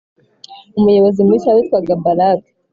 umuyobozi mushya witwaga Baraki